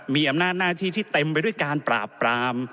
มีอำนาจหน้าที่ที่เต็มไปด้วยการปราบปราม